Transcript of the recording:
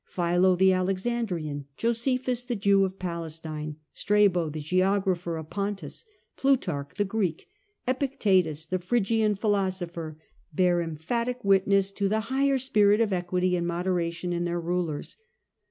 Philo the Alexandrian, Josephus the Jew of Palestine, Strabo the geographer of Pontus, Plutarch the Greek, Epictetus the Phrygian philosopher, bear emphatic witness to the higher spirit of equity and moderation in their rulers.